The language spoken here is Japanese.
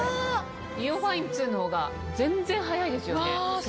ＩＯファイン２の方が全然早いですよね。